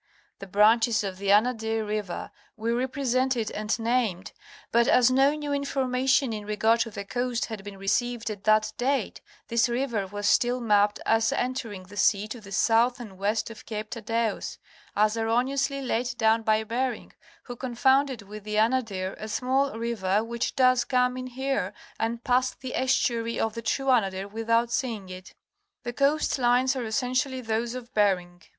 The branches of the Anadyr River were represented and named, but as no new information in regard to the coast had been received at that date, this river was still mapped as entering the sea to the south and west of Cape Thaddeus, as erroneously laid down by Bering, who confounded with the Anadyr a small river which does come in here. and passed the estuary of the true Anadyr without seeing it. The coast lines are essentially those of Bering.